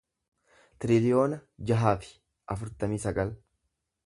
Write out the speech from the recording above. tiriliyoona jaha fi afurtamii sagal